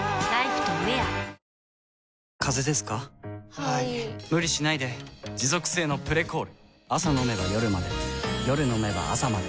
はい・・・無理しないで持続性の「プレコール」朝飲めば夜まで夜飲めば朝まで